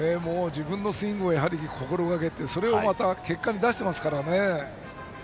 自分のスイングを心がけてそれを結果で出していますから。